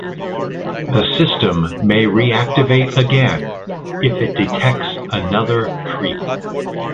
The system may reactivate again if it detects another creep.